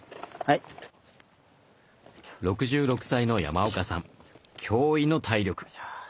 ６６歳の山岡さん驚異の体力。